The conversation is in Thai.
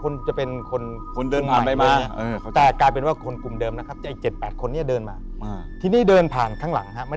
นอนแท่นลงสบ